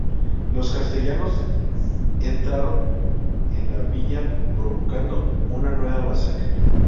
Los castellanos entraron en la villa provocando una nueva masacre.